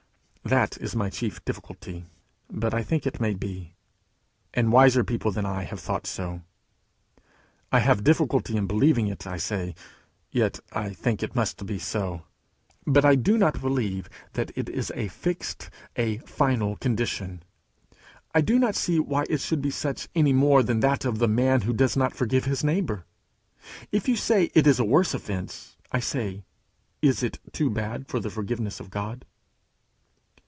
That is my chief difficulty. But I think it may be. And wiser people than I, have thought so. I have difficulty in believing it, I say; yet I think it must be so. But I do not believe that it is a fixed, a final condition. I do not see why it should be such any more than that of the man who does not forgive his neighbour. If you say it is a worse offence, I say, Is it too bad for the forgiveness of God?